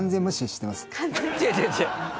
違う違う違う。